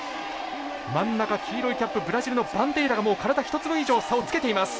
真ん中黄色いキャップブラジルのバンデイラがもう体１つ分以上差をつけています。